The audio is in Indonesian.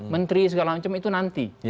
menteri segala macam itu nanti